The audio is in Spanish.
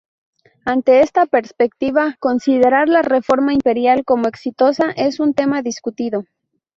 Ante esta perspectiva, considerar la reforma imperial como exitosa es un tema discutido.